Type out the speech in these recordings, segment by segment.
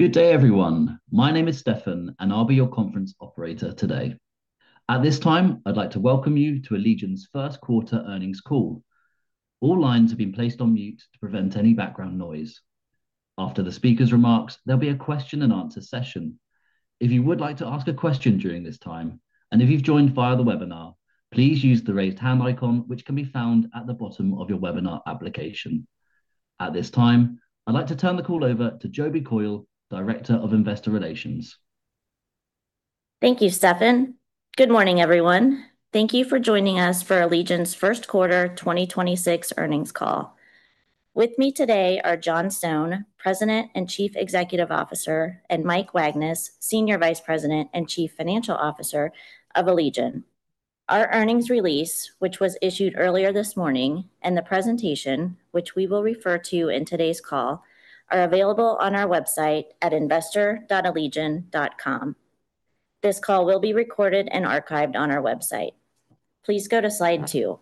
Good day, everyone. My name is Stefan, and I'll be your conference operator today. At this time, I'd like to welcome you to Allegion's first quarter earnings call. All lines have been placed on mute to prevent any background noise. After the speaker's remarks, there'll be a question-and-answer session. If you would like to ask a question during this time, and if you've joined via the webinar, please use the raise hand icon, which can be found at the bottom of your webinar application. At this time, I'd like to turn the call over to Jobi Coyle, Director of Investor Relations. Thank you, Stefan. Good morning, everyone. Thank you for joining us for Allegion's first quarter 2026 earnings call. With me today are John Stone, President and Chief Executive Officer, and Mike Wagnes, Senior Vice President and Chief Financial Officer of Allegion. Our earnings release, which was issued earlier this morning, and the presentation, which we will refer to in today's call, are available on our website at investor.allegion.com. This call will be recorded and archived on our website. Please go to slide two.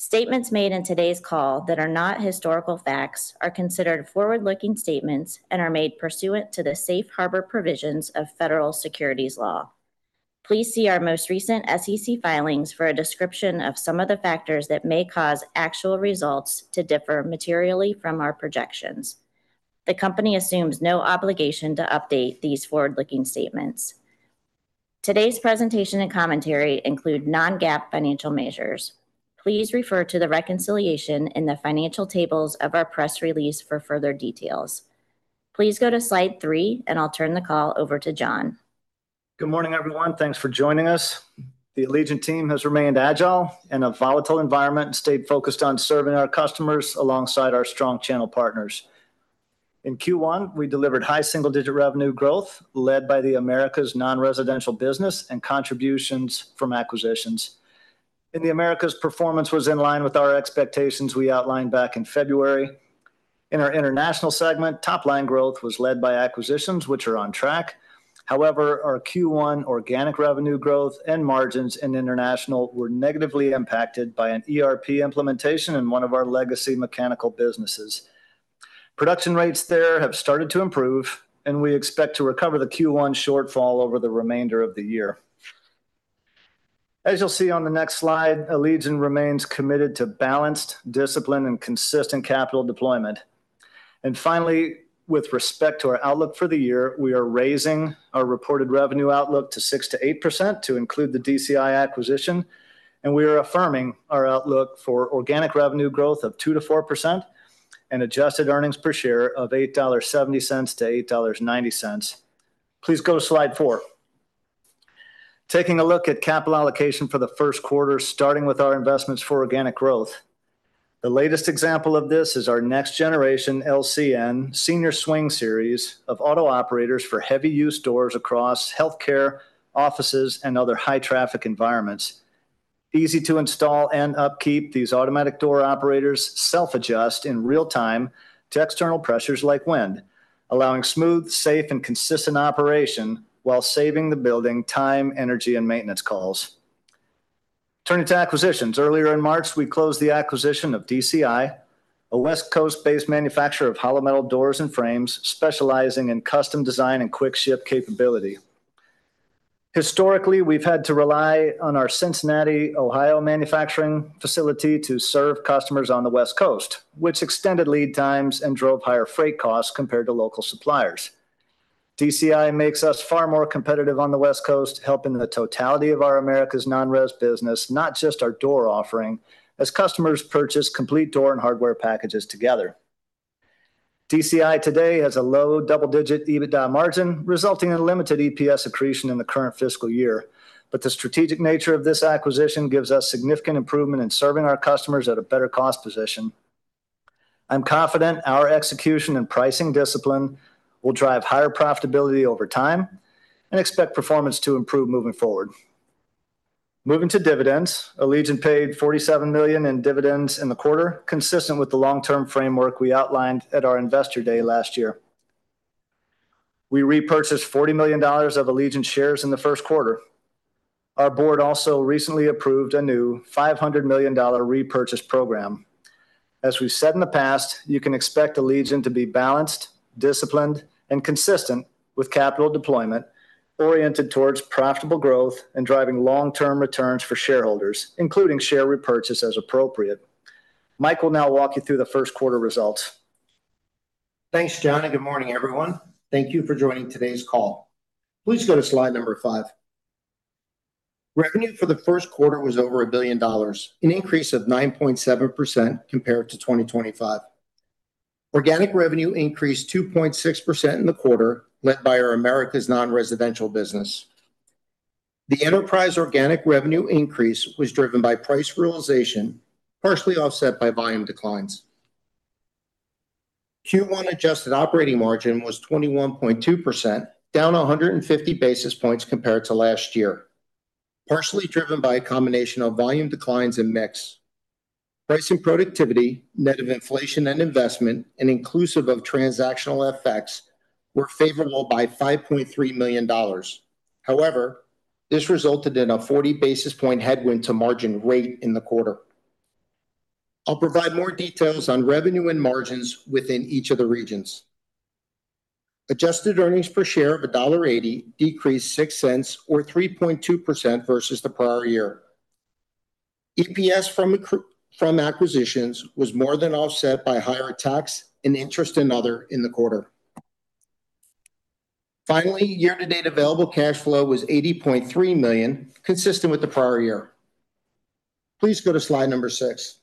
Statements made in today's call that are not historical facts are considered forward-looking statements and are made pursuant to the safe harbor provisions of federal securities law. Please see our most recent SEC filings for a description of some of the factors that may cause actual results to differ materially from our projections. The company assumes no obligation to update these forward-looking statements. Today's presentation and commentary include non-GAAP financial measures. Please refer to the reconciliation in the financial tables of our press release for further details. Please go to slide three. I'll turn the call over to John. Good morning, everyone. Thanks for joining us. The Allegion team has remained agile in a volatile environment and stayed focused on serving our customers alongside our strong channel partners. In Q1, we delivered high single-digit revenue growth led by the Americas non-residential business and contributions from acquisitions. In the Americas, performance was in line with our expectations we outlined back in February. In our International segment, top-line growth was led by acquisitions which are on track. However, our Q1 organic revenue growth and margins in International were negatively impacted by an ERP implementation in one of our legacy mechanical businesses. Production rates there have started to improve, and we expect to recover the Q1 shortfall over the remainder of the year. As you'll see on the next slide, Allegion remains committed to balanced discipline and consistent capital deployment. Finally, with respect to our outlook for the year, we are raising our reported revenue outlook to 6%-8% to include the DCI acquisition, and we are affirming our outlook for organic revenue growth of 2%-4% and adjusted earnings per share of $8.70-$8.90. Please go to slide four. Taking a look at capital allocation for the first quarter, starting with our investments for organic growth. The latest example of this is our next generation LCN Senior Swing series of auto operators for heavy use doors across healthcare, offices, and other high traffic environments. Easy to install and upkeep, these automatic door operators self-adjust in real time to external pressures like wind, allowing smooth, safe, and consistent operation while saving the building time, energy, and maintenance calls. Turning to acquisitions. Earlier in March, we closed the acquisition of DCI, a West Coast-based manufacturer of hollow metal doors and frames, specializing in custom design and quick ship capability. Historically, we've had to rely on our Cincinnati, Ohio, manufacturing facility to serve customers on the West Coast, which extended lead times and drove higher freight costs compared to local suppliers. DCI makes us far more competitive on the West Coast, helping the totality of our Americas non-res business, not just our door offering, as customers purchase complete door and hardware packages together. DCI today has a low double-digit EBITDA margin, resulting in limited EPS accretion in the current fiscal year. The strategic nature of this acquisition gives us significant improvement in serving our customers at a better cost position. I'm confident our execution and pricing discipline will drive higher profitability over time and expect performance to improve moving forward. Moving to dividends. Allegion paid $47 million in dividends in the quarter, consistent with the long-term framework we outlined at our Investor Day last year. We repurchased $40 million of Allegion shares in the first quarter. Our board also recently approved a new $500 million repurchase program. As we've said in the past, you can expect Allegion to be balanced, disciplined, and consistent with capital deployment, oriented towards profitable growth and driving long-term returns for shareholders, including share repurchase as appropriate. Mike will now walk you through the first quarter results. Thanks, John, good morning, everyone. Thank you for joining today's call. Please go to slide number five. Revenue for the first quarter was over $1 billion, an increase of 9.7% compared to 2025. Organic revenue increased 2.6% in the quarter, led by our Americas non-residential business. The enterprise organic revenue increase was driven by price realization, partially offset by volume declines. Q1 adjusted operating margin was 21.2%, down 150 basis points compared to last year, partially driven by a combination of volume declines and mix. Price and productivity, net of inflation and investment, and inclusive of transactional effects, were favorable by $5.3 million. This resulted in a 40 basis point headwind to margin rate in the quarter. I'll provide more details on revenue and margins within each of the regions. Adjusted earnings per share of $1.80 decreased $0.06 or 3.2% versus the prior year. EPS from acquisitions was more than offset by higher tax and interest and other in the quarter. Finally, year-to-date available cash flow was $80.3 million, consistent with the prior year. Please go to slide six.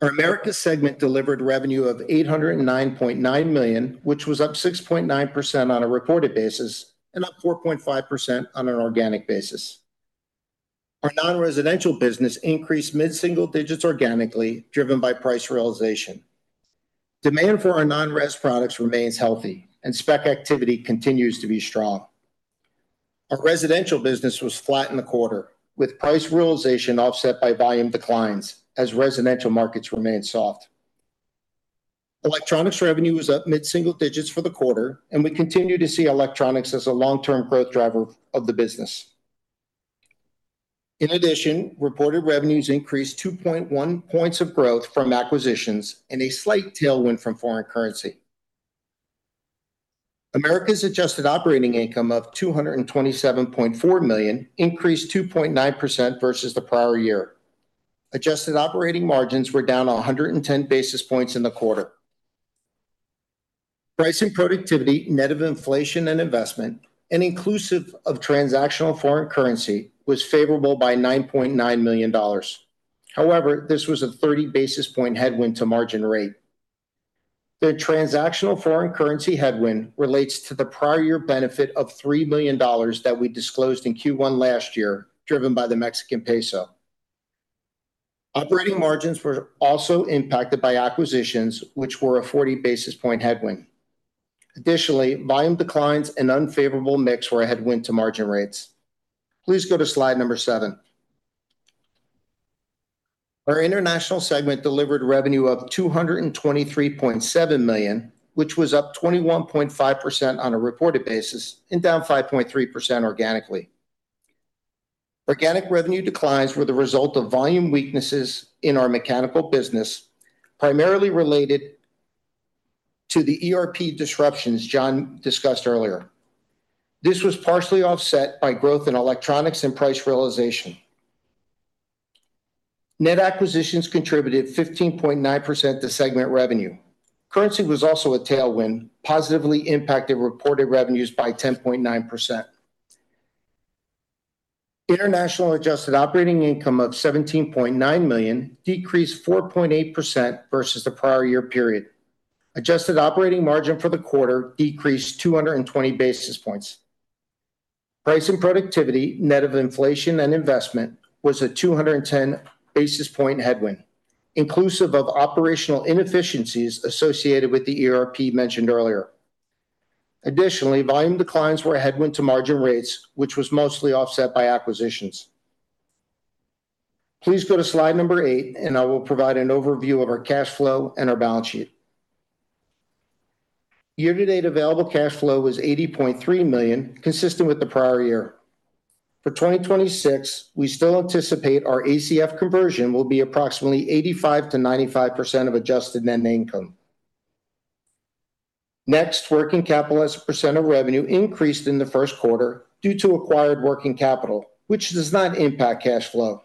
Our Americas segment delivered revenue of $809.9 million, which was up 6.9% on a reported basis and up 4.5% on an organic basis. Our non-residential business increased mid-single digits organically, driven by price realization. Demand for our non-res products remains healthy, and spec activity continues to be strong. Our residential business was flat in the quarter, with price realization offset by volume declines as residential markets remained soft. Electronics revenue was up mid-single digits for the quarter, and we continue to see electronics as a long-term growth driver of the business. Reported revenues increased 2.1 points of growth from acquisitions and a slight tailwind from foreign currency. Americas adjusted operating income of $227.4 million increased 2.9% versus the prior year. Adjusted operating margins were down 110 basis points in the quarter. Price and productivity, net of inflation and investment, and inclusive of transactional foreign currency, was favorable by $9.9 million. This was a 30 basis point headwind to margin rate. The transactional foreign currency headwind relates to the prior year benefit of $3 million that we disclosed in Q1 last year, driven by the Mexican peso. Operating margins were also impacted by acquisitions, which were a 40 basis point headwind. Volume declines and unfavorable mix were a headwind to margin rates. Please go to slide number seven. Our international segment delivered revenue of $223.7 million, which was up 21.5% on a reported basis and down 5.3% organically. Organic revenue declines were the result of volume weaknesses in our mechanical business, primarily related to the ERP disruptions John discussed earlier. This was partially offset by growth in electronics and price realization. Net acquisitions contributed 15.9% to segment revenue. Currency was also a tailwind, positively impacted reported revenues by 10.9%. International adjusted operating income of $17.9 million decreased 4.8% versus the prior year period. Adjusted operating margin for the quarter decreased 220 basis points. Price and productivity, net of inflation and investment, was a 210 basis point headwind, inclusive of operational inefficiencies associated with the ERP mentioned earlier. Additionally, volume declines were a headwind to margin rates, which was mostly offset by acquisitions. Please go to slide number eight, and I will provide an overview of our cash flow and our balance sheet. Year-to-date available cash flow was $80.3 million, consistent with the prior year. For 2026, we still anticipate our ACF conversion will be approximately 85%-95% of adjusted net income. Next, working capital as a % of revenue increased in the first quarter due to acquired working capital, which does not impact cash flow.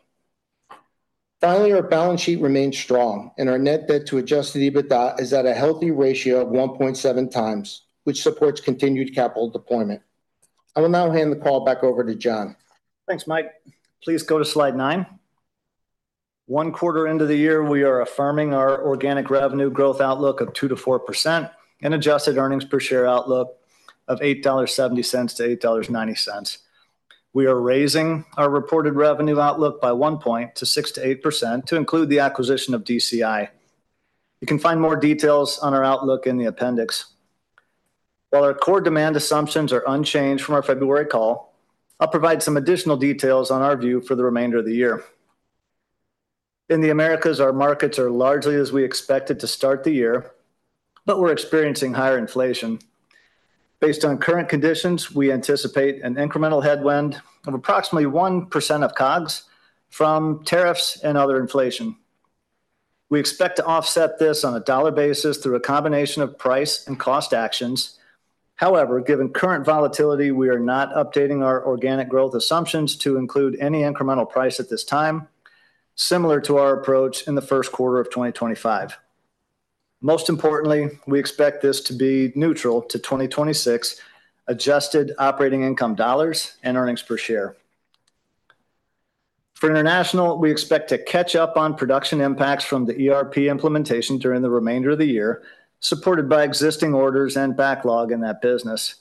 Finally, our balance sheet remains strong, and our net debt to adjusted EBITDA is at a healthy ratio of 1.7x, which supports continued capital deployment. I will now hand the call back over to John. Thanks, Mike. Please go to slide nine. One quarter into the year, we are affirming our organic revenue growth outlook of 2%-4% and adjusted earnings per share outlook of $8.70-$8.90. We are raising our reported revenue outlook by 1 point to 6%-8% to include the acquisition of DCI. You can find more details on our outlook in the appendix. While our core demand assumptions are unchanged from our February call, I'll provide some additional details on our view for the remainder of the year. In the Americas, our markets are largely as we expected to start the year, but we're experiencing higher inflation. Based on current conditions, we anticipate an incremental headwind of approximately 1% of COGS from tariffs and other inflation. We expect to offset this on a dollar basis through a combination of price and cost actions. However, given current volatility, we are not updating our organic growth assumptions to include any incremental price at this time, similar to our approach in the first quarter of 2025. Most importantly, we expect this to be neutral to 2026 adjusted operating income dollars and earnings per share. For international, we expect to catch up on production impacts from the ERP implementation during the remainder of the year, supported by existing orders and backlog in that business.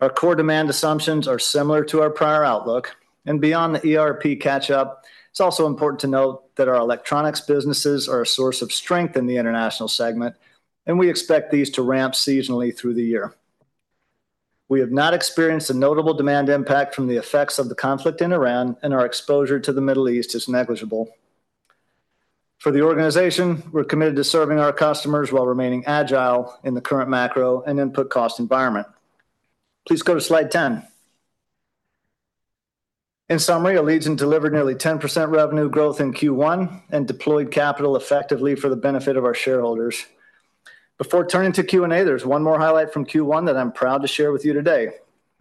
Our core demand assumptions are similar to our prior outlook, and beyond the ERP catch up, it's also important to note that our electronics businesses are a source of strength in the international segment, and we expect these to ramp seasonally through the year. We have not experienced a notable demand impact from the effects of the conflict in Iran, and our exposure to the Middle East is negligible. For the organization, we're committed to serving our customers while remaining agile in the current macro and input cost environment. Please go to slide 10. In summary, Allegion delivered nearly 10% revenue growth in Q1 and deployed capital effectively for the benefit of our shareholders. Before turning to Q&A, there's one more highlight from Q1 that I'm proud to share with you today.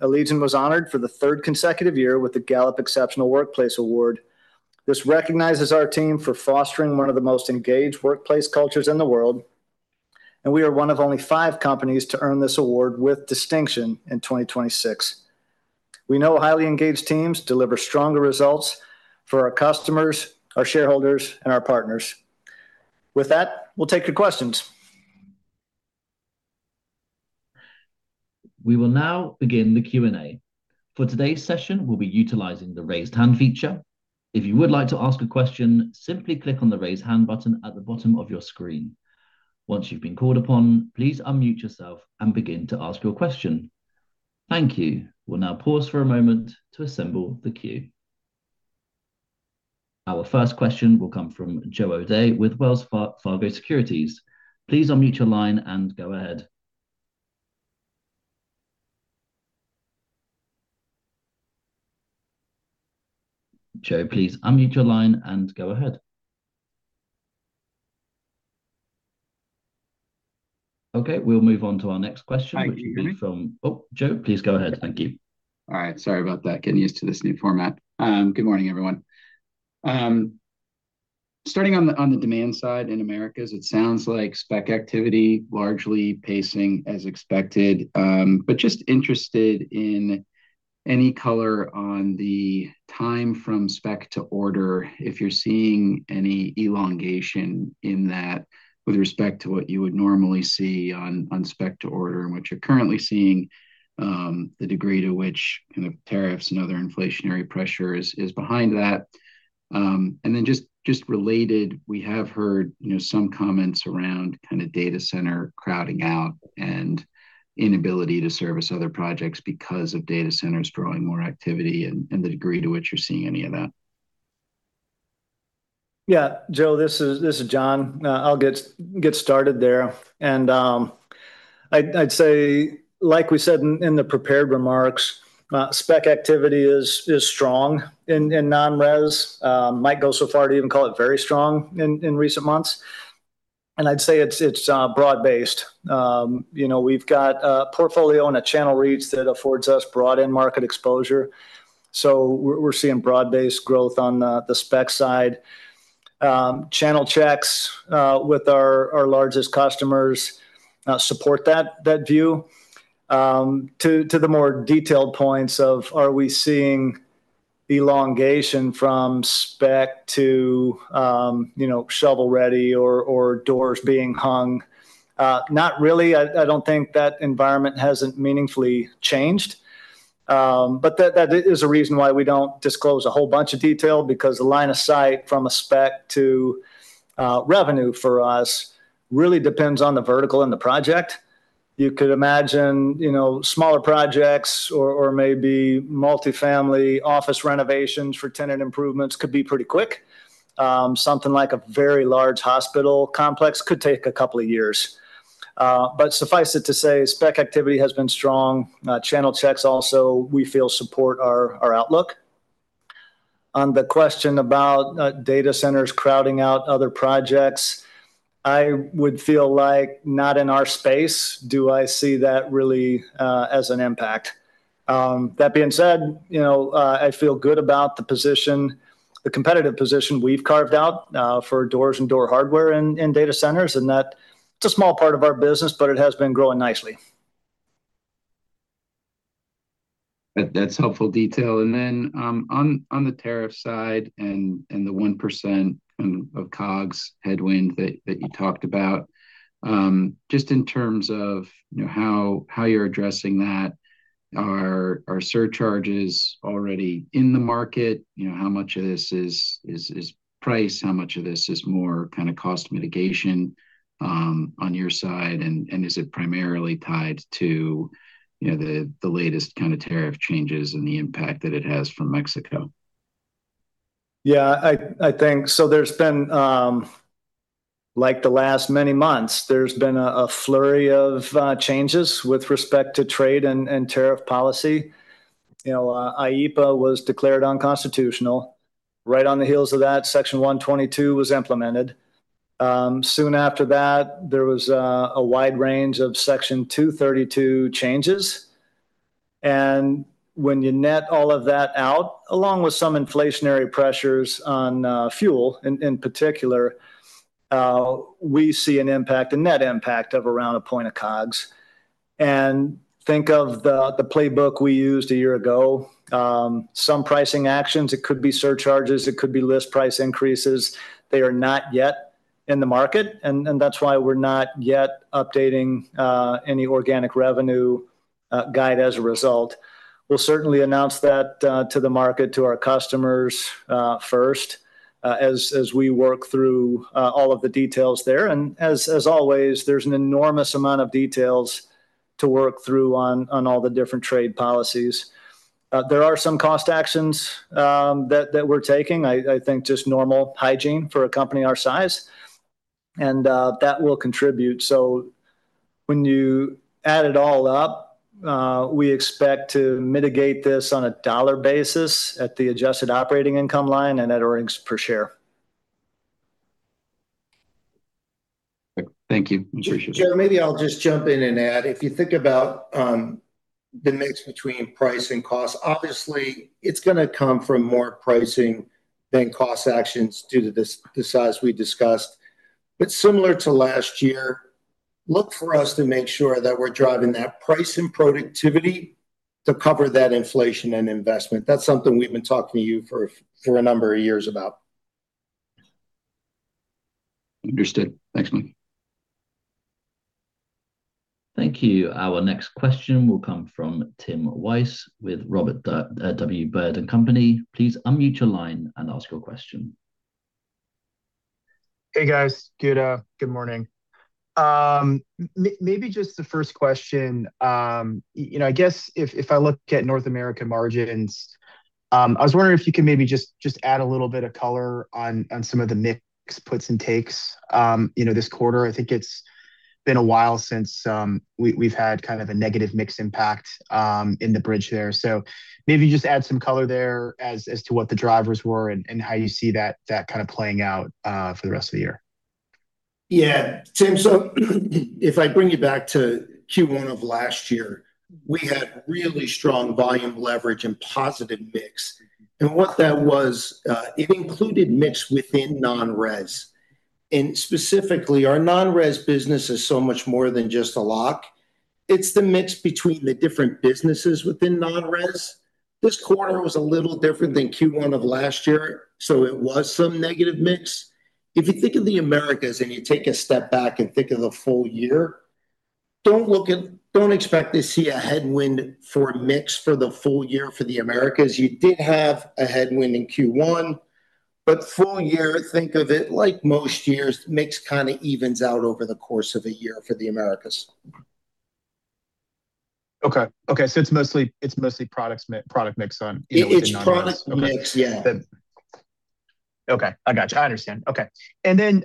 Allegion was honored for the third consecutive year with the Gallup Exceptional Workplace Award. This recognizes our team for fostering one of the most engaged workplace cultures in the world, and we are one of only five companies to earn this award with distinction in 2026. We know highly engaged teams deliver stronger results for our customers, our shareholders, and our partners. With that, we'll take your questions. We will now begin the Q&A. For today's session, we'll be utilizing the raise hand feature. If you would like to ask a question, simply click on the raise hand button at the bottom of your screen. Once you've been called upon, please unmute yourself and begin to ask your question. Thank you. We'll now pause for a moment to assemble the queue. Our first question will come from Joe O'Dea with Wells Fargo Securities. Please unmute your line and go ahead. Joe, please unmute your line and go ahead. Okay, we'll move on to our next question. Hi, can you hear me? Oh, Joe, please go ahead. Thank you. All right. Sorry about that. Getting used to this new format. Good morning, everyone. Starting on the demand side in Americas, it sounds like spec activity largely pacing as expected. But just interested in any color on the time from spec to order, if you're seeing any elongation in that with respect to what you would normally see on spec to order, and what you're currently seeing, the degree to which kinda tariffs and other inflationary pressures is behind that. Then just related, we have heard, you know, some comments around kinda data center crowding out and inability to service other projects because of data centers drawing more activity and the degree to which you're seeing any of that. Yeah. Joe, this is John. I'll get started there. I'd say, like we said in the prepared remarks, spec activity is strong in non-res. Might go so far to even call it very strong in recent months. I'd say it's broad-based. You know, we've got a portfolio and a channel reach that affords us broad end market exposure, so we're seeing broad-based growth on the spec side. Channel checks with our largest customers support that view. To the more detailed points of are we seeing elongation from spec to, you know, shovel-ready or doors being hung? Not really. I don't think that environment hasn't meaningfully changed. That is a reason why we don't disclose a whole bunch of detail because the line of sight from a spec to revenue for us really depends on the vertical and the project. You could imagine, you know, smaller projects or multifamily office renovations for tenant improvements could be pretty quick. Something like a very large hospital complex could take a couple of years. Suffice it to say, spec activity has been strong. Channel checks also, we feel support our outlook. On the question about data centers crowding out other projects, I would feel like not in our space do I see that really as an impact. That being said, you know, I feel good about the position, the competitive position we've carved out for doors and door hardware in data centers, and that it's a small part of our business, but it has been growing nicely. That's helpful detail. On the tariff side and the 1% of COGS headwind that you talked about, just in terms of, you know, how you're addressing that. Are surcharges already in the market? You know, how much of this is price? How much of this is more kinda cost mitigation on your side? Is it primarily tied to, you know, the latest kinda tariff changes and the impact that it has from Mexico? Like the last many months, there's been a flurry of changes with respect to trade and tariff policy. You know, IEPA was declared unconstitutional. Right on the heels of that, Section 122 was implemented. Soon after that, there was a wide range of Section 232 changes. When you net all of that out, along with some inflationary pressures on fuel in particular, we see an impact, a net impact of around 1 point of COGS. Think of the playbook we used a year ago. Some pricing actions, it could be surcharges, it could be list price increases. They are not yet in the market, and that's why we're not yet updating any organic revenue guide as a result. We'll certainly announce that, to the market, to our customers, first, as we work through all of the details there. As always, there's an enormous amount of details. To work through on all the different trade policies. There are some cost actions that we're taking. I think just normal hygiene for a company our size, and that will contribute. When you add it all up, we expect to mitigate this on a dollar basis at the adjusted operating income line and net earnings per share. Thank you. Appreciate it. Joe, maybe I'll just jump in and add. If you think about the mix between price and cost, obviously it's gonna come from more pricing than cost actions due to the size we discussed. Similar to last year, look for us to make sure that we're driving that price and productivity to cover that inflation and investment. That's something we've been talking to you for a number of years about. Understood. Thanks, Mike. Thank you. Our next question will come from Tim Wojs with Robert W. Baird & Co. Please unmute your line and ask your question. Hey, guys. Good, good morning. Maybe just the first question. You know, I guess if I look at North America margins, I was wondering if you could maybe just add a little bit of color on some of the mix puts and takes, you know, this quarter. I think it's been a while since we've had kind of a negative mix impact in the bridge there. Maybe just add some color there as to what the drivers were and how you see that kind of playing out for the rest of the year. Tim, if I bring you back to Q1 of last year, we had really strong volume leverage and positive mix. What that was, it included mix within non-res. Specifically, our non-res business is so much more than just a lock. It's the mix between the different businesses within non-res. This quarter was a little different than Q1 of last year, it was some negative mix. If you think of the Americas and you take a step back and think of the full year, don't expect to see a headwind for mix for the full year for the Americas. You did have a headwind in Q1. Full year, think of it like most years. Mix kind of evens out over the course of a year for the Americas. Okay. It's mostly product mix on, you know. It's product mix, yeah. Okay. I gotcha. I understand. Okay.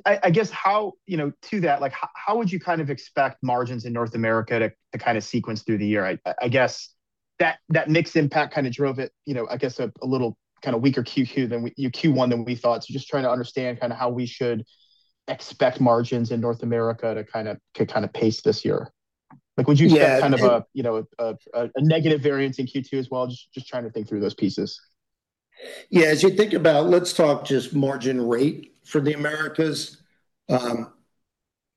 I guess how, you know, to that, like, how would you kind of expect margins in North America to kind of sequence through the year? I guess that mix impact kind of drove it, you know, I guess a little kind of weaker Q1 than we thought. just trying to understand kind of how we should expect margins in North America to kind of pace this year. Like would you expect? Yeah kind of a, you know, a negative variance in Q2 as well? Just trying to think through those pieces. As you think about, let's talk just margin rate for the Americas.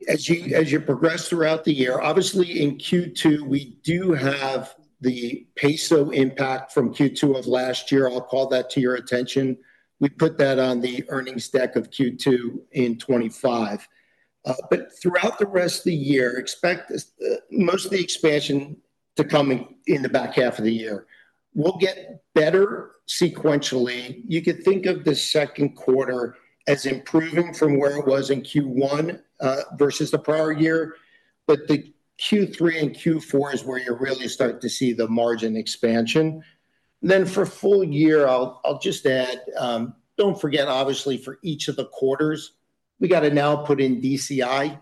As you progress throughout the year, obviously in Q2, we do have the peso impact from Q2 of last year. I'll call that to your attention. We put that on the earnings deck of Q2 in 2025. Throughout the rest of the year, expect most of the expansion to come in the back half of the year. We'll get better sequentially. You could think of the second quarter as improving from where it was in Q1 versus the prior year. The Q3 and Q4 is where you really start to see the margin expansion. For full year, I'll just add, don't forget, obviously, for each of the quarters, we gotta now put in DCI.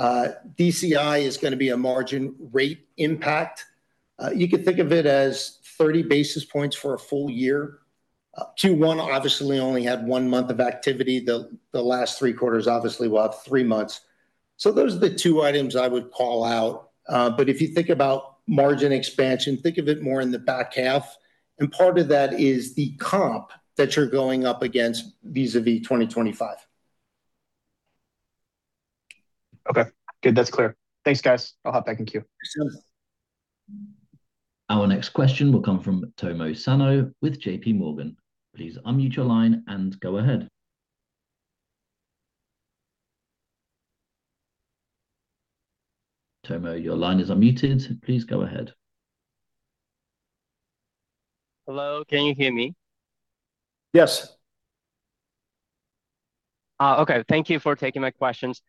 DCI is gonna be a margin rate impact. You could think of it as 30 basis points for a full year. Q1 obviously only had 1 month of activity. The last three quarters obviously will have three months. Those are the two items I would call out. If you think about margin expansion, think of it more in the back half, and part of that is the comp that you're going up against vis-à-vis 2025. Okay. Good. That's clear. Thanks, guys. I'll hop back in queue. Sure. Our next question will come from Tomo Sano with JPMorgan. Please unmute your line and go ahead. Tomo, your line is unmuted. Please go ahead. Hello, can you hear me? Yes. Okay. Thank you for taking my questions.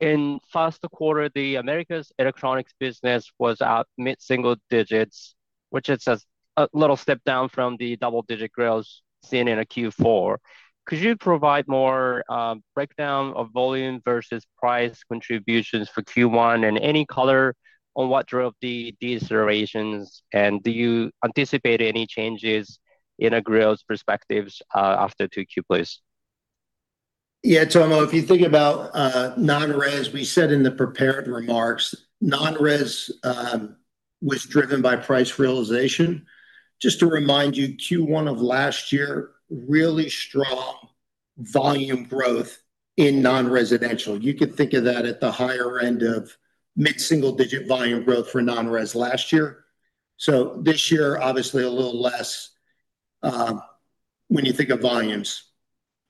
In first quarter, the Americas electronics business was at mid-single digits, which is a little step down from the double-digit growth seen in a Q4. Could you provide more breakdown of volume versus price contributions for Q1 and any color on what drove the decelerations? Do you anticipate any changes in a growth perspectives after 2Q, please? Yeah, Tomo, if you think about non-res, we said in the prepared remarks, non-res was driven by price realization. Just to remind you, Q1 of last year, really strong volume growth in non-residential. You could think of that at the higher end of mid-single digit volume growth for non-res last year. This year, obviously a little less, when you think of volumes.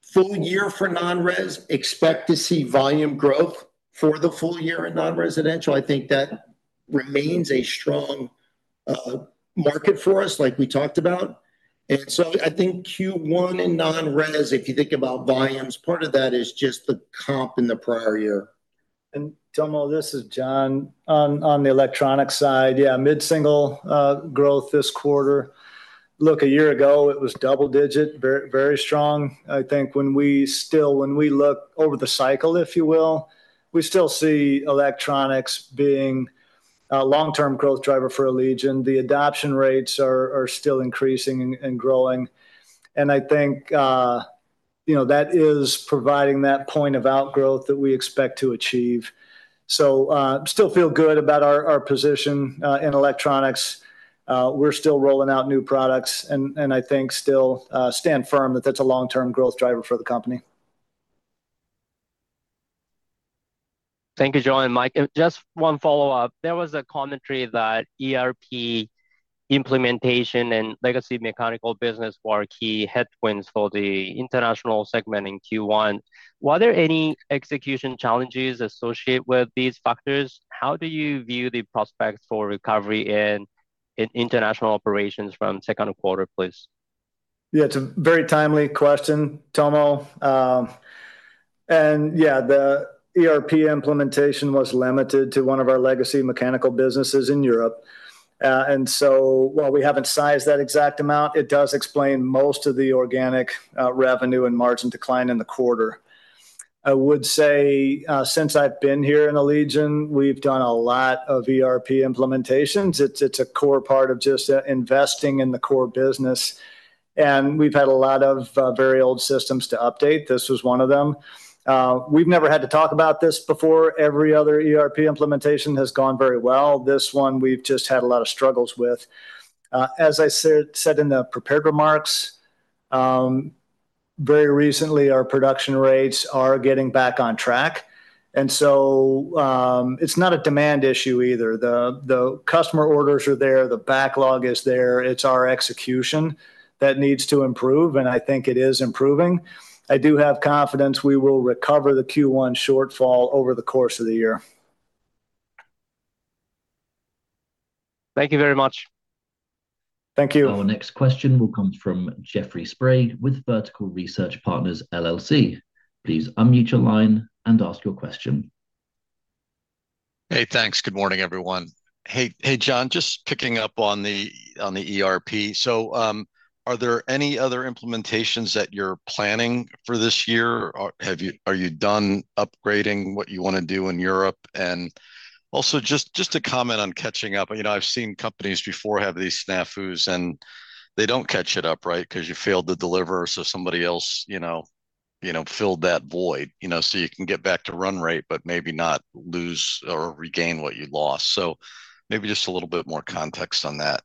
Full year for non-res, expect to see volume growth for the full year in non-residential. I think that remains a strong market for us, like we talked about. I think Q1 in non-res, if you think about volumes, part of that is just the comp in the prior year. Tomo, this is John. On the electronic side, yeah, mid-single growth this quarter. Look, a year ago it was double digit, very strong. I think when we look over the cycle, if you will, we still see electronics being a long-term growth driver for Allegion. The adoption rates are still increasing and growing. I think, you know, that is providing that point of outgrowth that we expect to achieve. Still feel good about our position in electronics. We're still rolling out new products and I think still stand firm that that's a long-term growth driver for the company. Thank you, John and Mike. Just one follow-up. There was a commentary that ERP implementation and legacy mechanical business were key headwinds for the international segment in Q1. Were there any execution challenges associated with these factors? How do you view the prospects for recovery in international operations from second quarter, please? Yeah, it's a very timely question, Tomo. Yeah, the ERP implementation was limited to one of our legacy mechanical businesses in Europe. While we haven't sized that exact amount, it does explain most of the organic revenue and margin decline in the quarter. I would say, since I've been here in Allegion, we've done a lot of ERP implementations. It's a core part of just investing in the core business, and we've had a lot of very old systems to update. This was one of them. We've never had to talk about this before. Every other ERP implementation has gone very well. This one we've just had a lot of struggles with. As I said in the prepared remarks, very recently, our production rates are getting back on track. It's not a demand issue either. The customer orders are there, the backlog is there. It's our execution that needs to improve, and I think it is improving. I do have confidence we will recover the Q1 shortfall over the course of the year. Thank you very much. Thank you. Our next question will come from Jeffrey Sprague with Vertical Research Partners LLC. Please unmute your line and ask your question. Hey, thanks. Good morning, everyone. Hey, John. Just picking up on the ERP. Are there any other implementations that you're planning for this year? Are you done upgrading what you wanna do in Europe? Also just to comment on catching up. You know, I've seen companies before have these snafus, and they don't catch it up, right? 'Cause you failed to deliver, so somebody else, you know, filled that void. You know, you can get back to run rate, but maybe not lose or regain what you lost. Maybe just a little bit more context on that.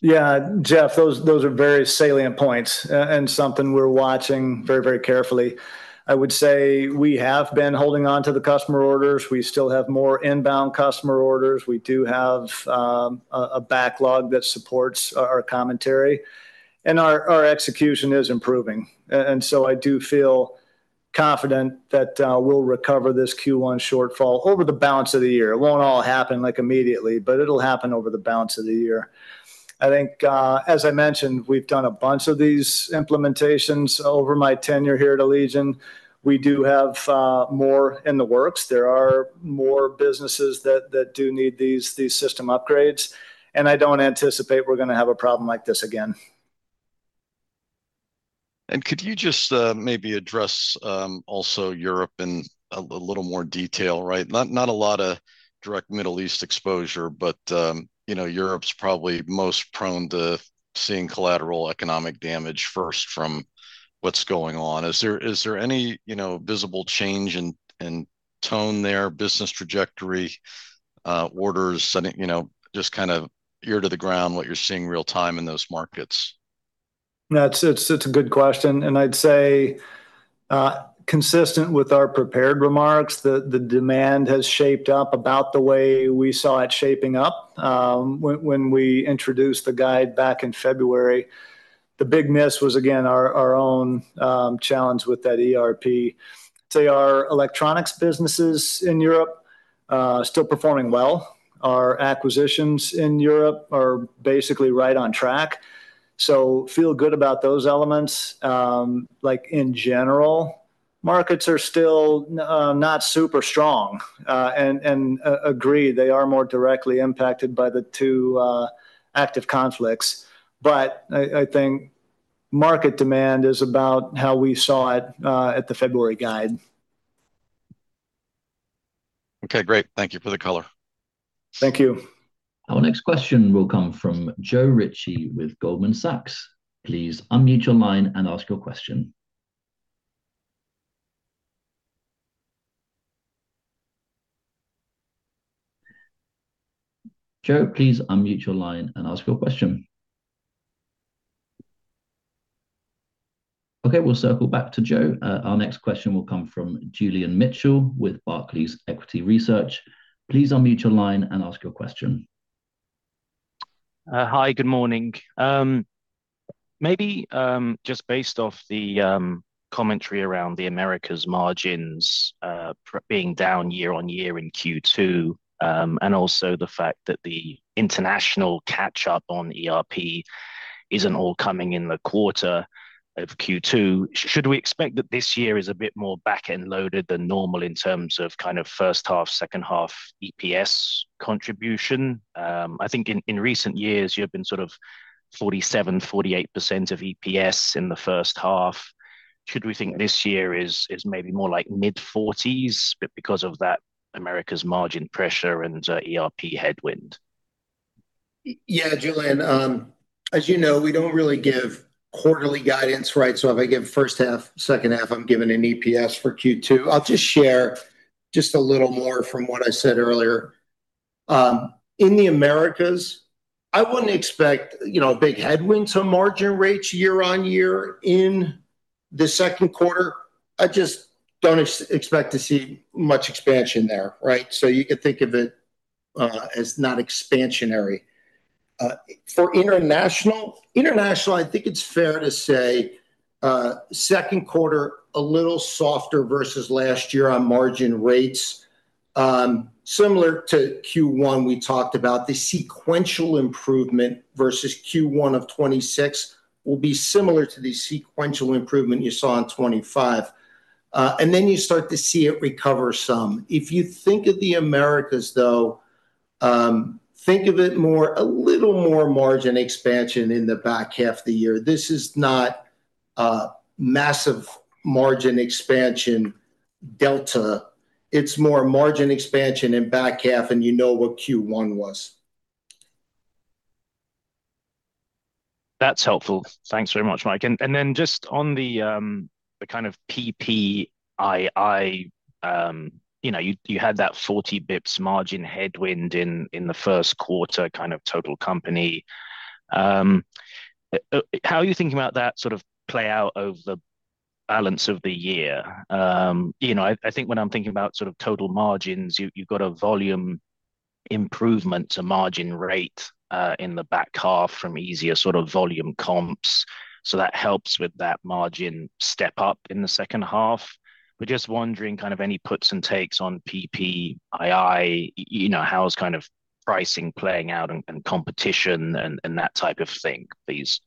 Yeah. Jeff, those are very salient points and something we're watching very carefully. I would say we have been holding on to the customer orders. We still have more inbound customer orders. We do have a backlog that supports our commentary. Our execution is improving. I do feel confident that we'll recover this Q1 shortfall over the balance of the year. It won't all happen like immediately, but it'll happen over the balance of the year. I think, as I mentioned, we've done a bunch of these implementations over my tenure here at Allegion. We do have more in the works. There are more businesses that do need these system upgrades, and I don't anticipate we're gonna have a problem like this again. Could you just maybe address also Europe in a little more detail, right? Not a lot of direct Middle East exposure, but, you know, Europe's probably most prone to seeing collateral economic damage first from what's going on. Is there any, you know, visible change in tone there, business trajectory, orders, any, you know, just kind of ear to the ground, what you're seeing real time in those markets? It's a good question. I'd say consistent with our prepared remarks, the demand has shaped up about the way we saw it shaping up when we introduced the guide back in February. The big miss was again, our own challenge with that ERP. I'd say our electronics businesses in Europe are still performing well. Our acquisitions in Europe are basically right on track. Feel good about those elements. Like in general, markets are still not super strong. Agree they are more directly impacted by the two active conflicts. I think market demand is about how we saw it at the February guide. Okay, great. Thank you for the color. Thank you. Our next question will come from Joe Ritchie with Goldman Sachs. Please unmute your line and ask your question. Joe, please unmute your line and ask your question. Okay, we'll circle back to Joe. Our next question will come from Julian Mitchell with Barclays Equity Research. Please unmute your line and ask your question. Hi, good morning. Maybe, just based off the commentary around the Americas margins being down year-over-year in Q2, and also the fact that the international catch up on ERP isn't all coming in the quarter of Q2. Should we expect that this year is a bit more back-end loaded than normal in terms of kind of first half, second half EPS contribution? I think in recent years, you have been sort of 47%, 48% of EPS in the first half. Should we think this year is maybe more like mid-40s because of that Americas margin pressure and ERP headwind? Julian, as you know, we don't really give quarterly guidance, right? If I give first half, second half, I'm giving an EPS for Q2. I'll just share just a little more from what I said earlier. In the Americas, I wouldn't expect, you know, big headwinds on margin rates year on year in the second quarter. I just don't expect to see much expansion there, right? You could think of it as not expansionary. For international, I think it's fair to say, second quarter, a little softer versus last year on margin rates. Similar to Q1, we talked about the sequential improvement versus Q1 of 2026 will be similar to the sequential improvement you saw in 2025. You start to see it recover some. If you think of the Americas, though, think of it more a little more margin expansion in the back half of the year. This is not a massive margin expansion delta. It's more margin expansion in back half, and you know what Q1 was. That's helpful. Thanks very much, Mike. Then just on the kind of PPI, you know, you had that 40 basis points margin headwind in the first quarter kind of total company. How are you thinking about that sort of play out over the balance of the year? You know, I think when I'm thinking about sort of total margins, you've got a volume improvement to margin rate in the back half from easier sort of volume comps. That helps with that margin step up in the second half. Just wondering kind of any puts and takes on PPI, you know, how is kind of pricing playing out and competition and that type of thing please?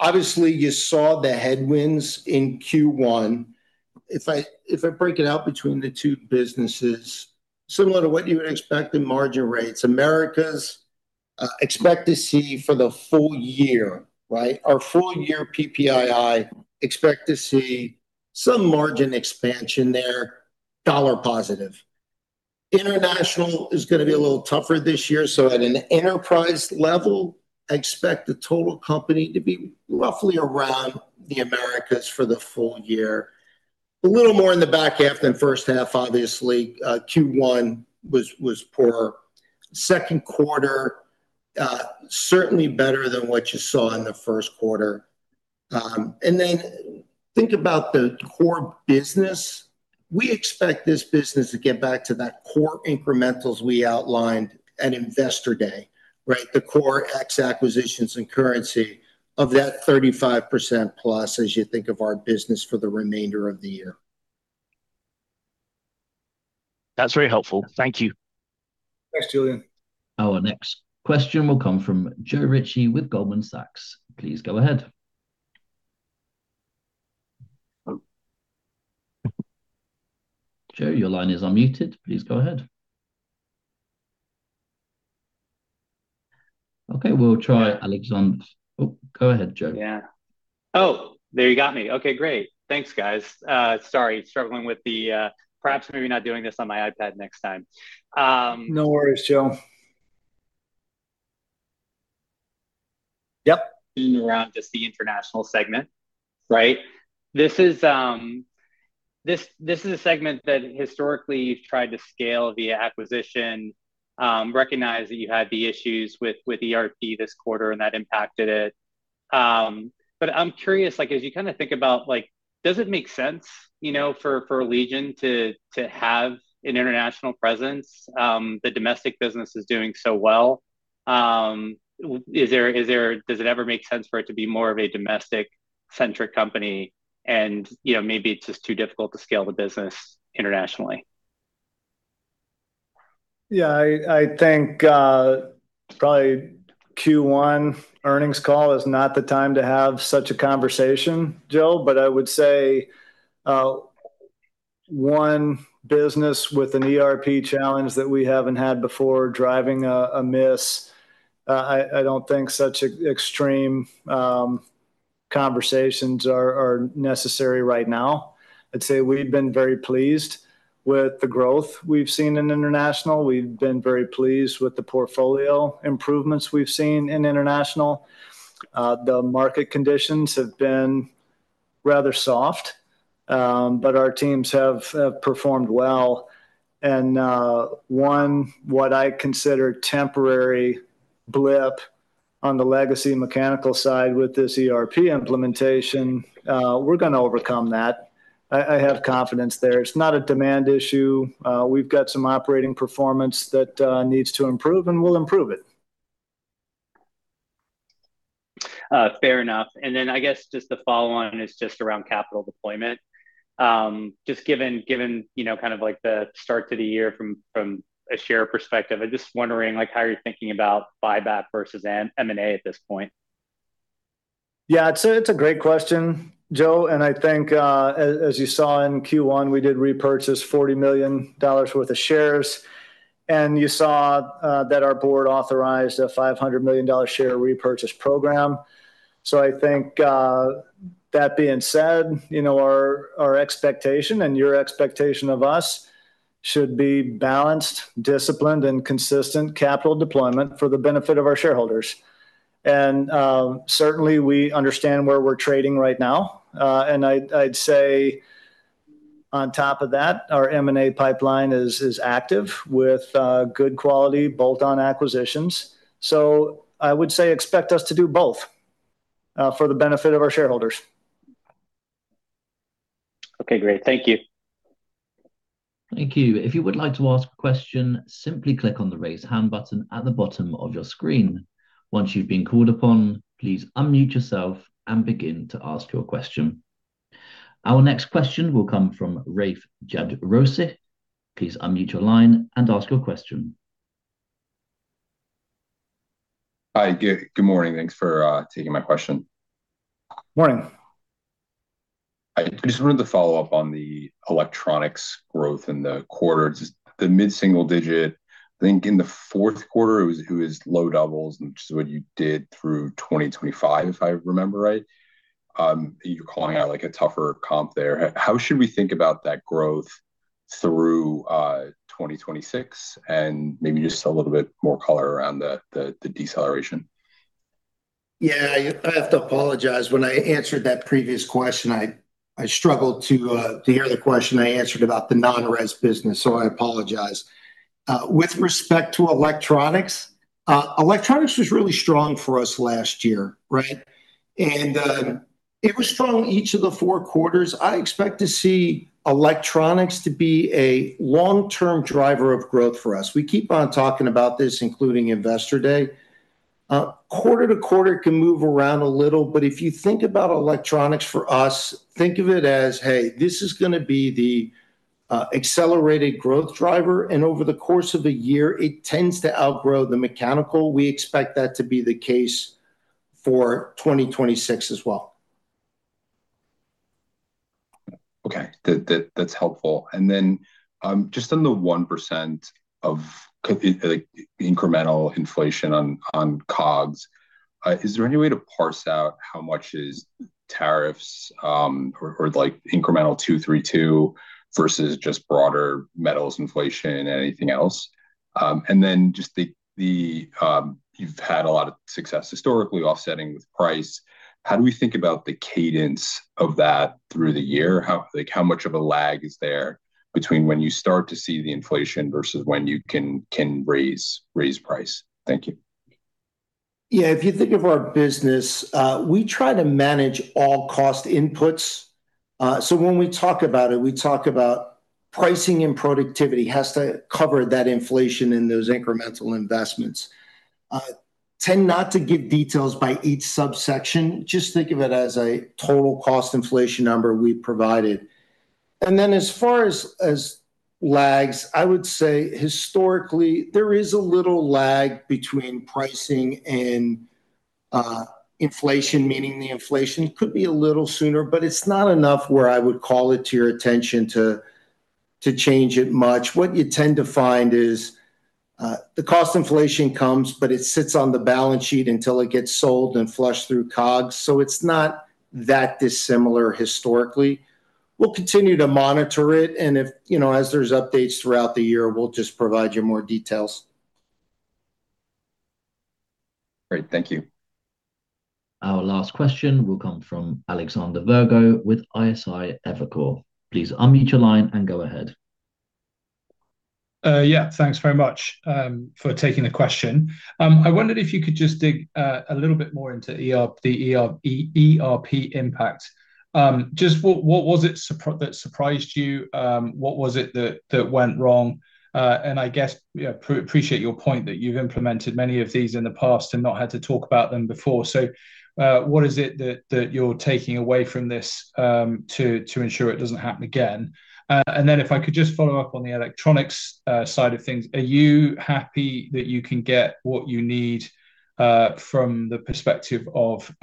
Obviously, you saw the headwinds in Q1. If I break it out between the two businesses, similar to what you would expect in margin rates, Americas, expect to see for the full year, right, our full year PPI expect to see some margin expansion there, dollar positive. International is gonna be a little tougher this year, so at an enterprise level, I expect the total company to be roughly around the Americas for the full year. A little more in the back half than first half, obviously. Q1 was poor. Second quarter, certainly better than what you saw in the first quarter. Then think about the core business. We expect this business to get back to that core incrementals we outlined at Investor Day, right? The core ex acquisitions and currency of that 35% plus as you think of our business for the remainder of the year. That's very helpful. Thank you. Thanks, Julian. Our next question will come from Joe Ritchie with Goldman Sachs. Please go ahead. Joe, your line is unmuted. Please go ahead. Okay, we'll try Alexander. Oh, go ahead, Joe. Yeah. Oh, there you got me. Okay, great. Thanks, guys. Sorry, struggling with the. Perhaps maybe not doing this on my iPad next time. No worries, Joe. Yep. Being around just the international segment, right? This is a segment that historically you've tried to scale via acquisition. Recognize that you had the issues with ERP this quarter, and that impacted it. But I'm curious, like, as you kinda think about, like, does it make sense, you know, for Allegion to have an international presence? The domestic business is doing so well. Does it ever make sense for it to be more of a domestic-centric company and, you know, maybe it's just too difficult to scale the business internationally? Yeah. I think probably Q1 earnings call is not the time to have such a conversation, Joe. I would say one business with an ERP challenge that we haven't had before driving a miss, I don't think such extreme conversations are necessary right now. I'd say we've been very pleased with the growth we've seen in international. We've been very pleased with the portfolio improvements we've seen in international. The market conditions have been rather soft, our teams have performed well. One, what I consider temporary blip on the legacy mechanical side with this ERP implementation, we're gonna overcome that. I have confidence there. It's not a demand issue. We've got some operating performance that needs to improve, and we'll improve it. Fair enough. I guess just the follow-on is just around capital deployment. Just given, you know, kind of like the start to the year from a share perspective, I'm just wondering, like, how you're thinking about buyback versus an M&A at this point? Yeah, it's a great question, Joe, and I think, as you saw in Q1, we did repurchase $40 million worth of shares, and you saw that our board authorized a $500 million share repurchase program. I think, that being said, you know, our expectation and your expectation of us should be balanced, disciplined, and consistent capital deployment for the benefit of our shareholders. Certainly we understand where we're trading right now. I'd say on top of that, our M&A pipeline is active with good quality bolt-on acquisitions. I would say expect us to do both for the benefit of our shareholders. Okay, great. Thank you. Thank you. If you would like to ask a question, simply click on the Raise Hand button at the bottom of your screen. Once you've been called upon, please unmute yourself and begin to ask your question. Our next question will come from Rafe Jadrosich. Please unmute your line and ask your question. Hi, good morning. Thanks for taking my question. Morning. I just wanted to follow up on the electronics growth in the quarter. Just the mid-single digit, I think in the fourth quarter it was low doubles, which is what you did through 2025, if I remember right. You're calling out like a tougher comp there. How should we think about that growth through 2026? Maybe just a little bit more color around the deceleration. I have to apologize. When I answered that previous question, I struggled to hear the question I answered about the non-res business. I apologize. With respect to electronics was really strong for us last year, right? It was strong each of the four quarters. I expect to see electronics to be a long-term driver of growth for us. We keep on talking about this, including Investor Day. Quarter to quarter can move around a little, but if you think about electronics for us, think of it as, "Hey, this is gonna be the accelerated growth driver." Over the course of a year, it tends to outgrow the mechanical. We expect that to be the case for 2026 as well. Okay. That's helpful. Just on the 1% of like incremental inflation on COGS, is there any way to parse out how much is tariffs, or like incremental Section 232 versus just broader metals inflation and anything else? Just you've had a lot of success historically offsetting with price. How do we think about the cadence of that through the year? How like how much of a lag is there between when you start to see the inflation versus when you can raise price? Thank you. If you think of our business, we try to manage all cost inputs. When we talk about it, we talk about pricing and productivity has to cover that inflation and those incremental investments. I tend not to give details by each subsection. Just think of it as a total cost inflation number we provided. As far as lags, I would say historically there is a little lag between pricing and inflation, meaning the inflation could be a little sooner, but it's not enough where I would call it to your attention to change it much. What you tend to find is, the cost inflation comes, but it sits on the balance sheet until it gets sold and flushed through COGS. It's not that dissimilar historically. We'll continue to monitor it, and if, you know, as there's updates throughout the year, we'll just provide you more details. Great. Thank you. Our last question will come from Alexander Virgo with Evercore ISI. Please unmute your line and go ahead. Thanks very much for taking the question. I wondered if you could just dig a little bit more into the ERP impact. Just what was it that surprised you? What was it that went wrong? I guess, yeah, appreciate your point that you've implemented many of these in the past and not had to talk about them before. What is it that you're taking away from this to ensure it doesn't happen again? Then if I could just follow up on the electronics side of things, are you happy that you can get what you need from the perspective of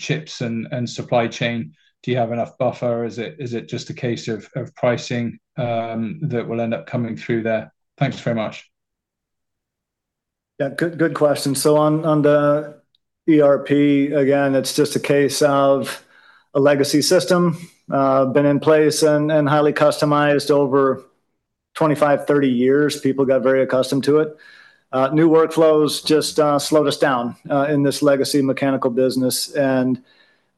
chips and supply chain? Do you have enough buffer, or is it just a case of pricing that will end up coming through there? Thanks very much. Good question. On the ERP, again, it's just a case of a legacy system, been in place and highly customized over 25, 30 years. People got very accustomed to it. New workflows just slowed us down in this legacy mechanical business.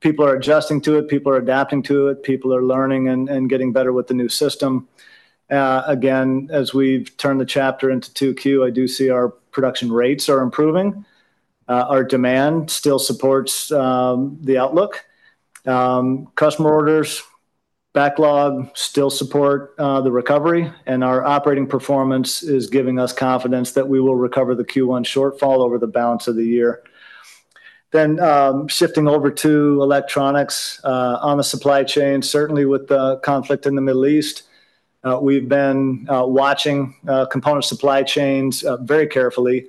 People are adjusting to it, people are adapting to it, people are learning and getting better with the new system. Again, as we've turned the chapter into 2Q, I do see our production rates are improving. Our demand still supports the outlook. Customer orders, backlog still support the recovery. Our operating performance is giving us confidence that we will recover the Q1 shortfall over the balance of the year. Shifting over to electronics on the supply chain, certainly with the conflict in the Middle East, we've been watching component supply chains very carefully.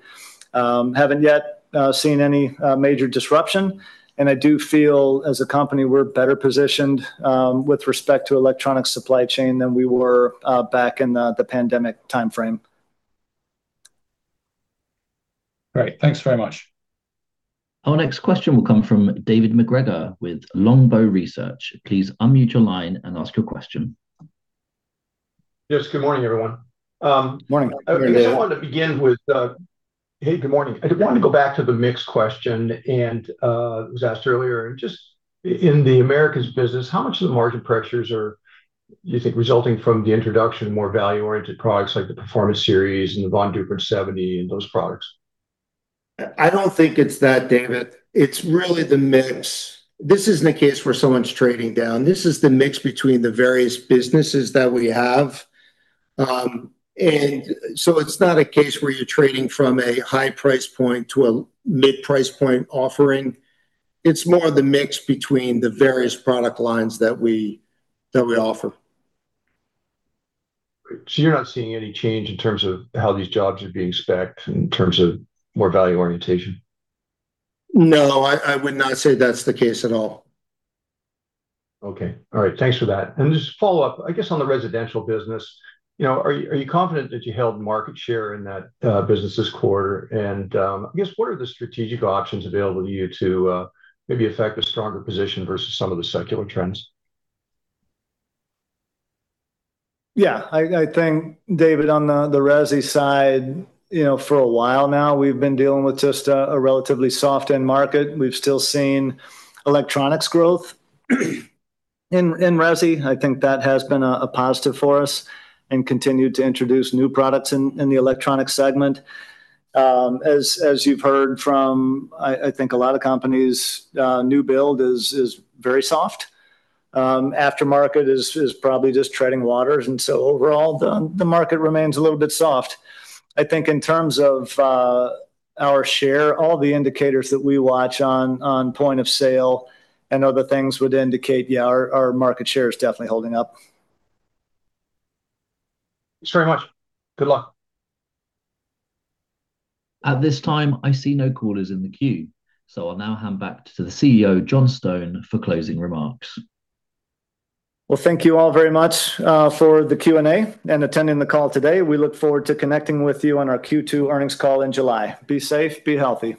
Haven't yet seen any major disruption. I do feel as a company we're better positioned with respect to electronic supply chain than we were back in the pandemic timeframe. Great. Thanks very much. Our next question will come from David MacGregor with Longbow Research. Please unmute your line and ask your question. Yes. Good morning, everyone. Morning. I guess I wanted to begin with. Hey, good morning. Good morning. I did wanna go back to the mix question and it was asked earlier, and just in the Americas business, how much of the margin pressures are, you think, resulting from the introduction of more value-oriented products like the Performance Series and the Von Duprin 70 and those products? I don't think it's that, David. It's really the mix. This isn't a case where someone's trading down. This is the mix between the various businesses that we have. So it's not a case where you're trading from a high price point to a mid price point offering. It's more the mix between the various product lines that we offer. You're not seeing any change in terms of how these jobs are being specced in terms of more value orientation? No, I would not say that's the case at all. Okay. All right. Thanks for that. Just follow up, I guess, on the residential business, you know, are you confident that you held market share in that business this quarter? I guess, what are the strategic options available to you to maybe affect a stronger position versus some of the secular trends? Yeah. I think, David, on the resi side, you know, for a while now we've been dealing with just a relatively soft end market. We've still seen electronics growth in resi. I think that has been a positive for us, and continue to introduce new products in the electronic segment. As, as you've heard from, I think a lot of companies, new build is very soft. Aftermarket is probably just treading waters. Overall, the market remains a little bit soft. I think in terms of our share, all the indicators that we watch on point of sale and other things would indicate, yeah, our market share is definitely holding up. Thanks very much. Good luck. At this time, I see no callers in the queue, so I'll now hand back to the CEO, John Stone, for closing remarks. Well, thank you all very much for the Q&A and attending the call today. We look forward to connecting with you on our Q2 earnings call in July. Be safe, be healthy.